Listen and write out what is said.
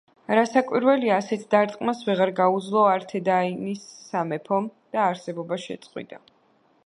რასაკვირველია, ასეთ დარტყმას ვეღარ გაუძლო ართედაინის სამეფომ და არსებობა შეწყვიტა.